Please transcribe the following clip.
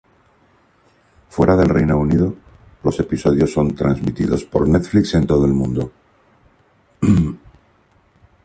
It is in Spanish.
Fuera del Reino Unido, los episodios son transmitidos por Netflix en todo el mundo.